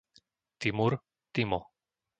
Timur, Timo